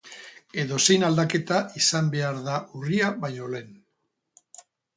Edozein aldaketa izan behar da urria baino lehen.